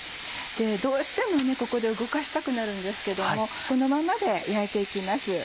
どうしてもここで動かしたくなるんですけどもこのまんまで焼いて行きます。